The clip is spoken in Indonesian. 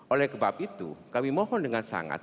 oleh sebab itu kami mohon dengan sangat